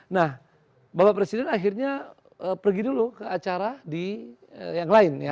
nah bapak presiden akhirnya pergi dulu ke acara di yang lain ya